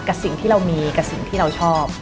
กับสิ่งที่เรามีกับสิ่งที่เราชอบ